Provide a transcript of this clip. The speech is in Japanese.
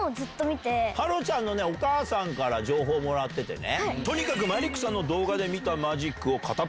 芭路ちゃんのお母さんから情報もらっててね。